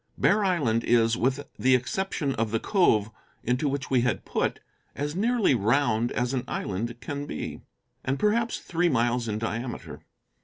Bear Island is, with the exception of the cove into which we had put, as nearly round as an island can be, and perhaps three miles in diameter.